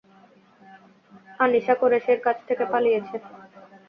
আনিশা কোরেশীর কাছ থেকে পালিয়েছে।